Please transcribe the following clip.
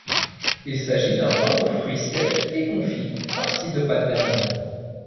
Il s'agit d'un pain aux fruits secs et confits, farci de pâte d'amande.